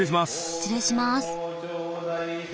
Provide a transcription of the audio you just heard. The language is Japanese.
失礼します。